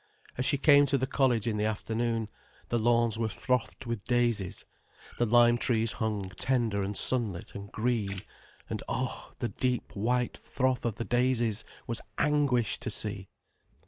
As she came to the college in the afternoon, the lawns were frothed with daisies, the lime trees hung tender and sunlit and green; and oh, the deep, white froth of the daisies was anguish to see.